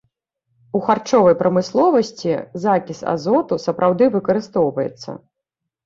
У харчовай прамысловасці закіс азоту сапраўды выкарыстоўваецца.